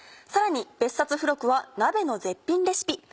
さらに別冊付録は鍋の絶品レシピ。